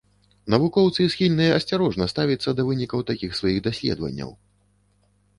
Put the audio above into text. Навукоўцы схільныя асцярожна ставіцца да вынікаў такіх сваіх даследаванняў.